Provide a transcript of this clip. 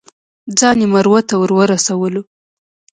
ځان یې مروه ته ورسولو.